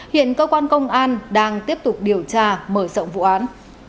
hiện cơ quan công an đang tiếp tục điều tra mở rộng vụ án